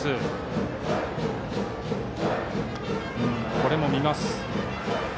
これも見ます。